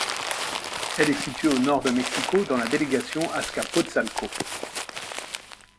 Elle est située au nord de Mexico, dans la délégation Azcapotzalco.